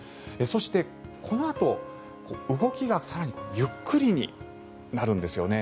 そして、このあと動きが更にゆっくりになるんですよね。